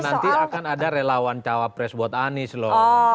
nanti akan ada relawan cawapres buat anies loh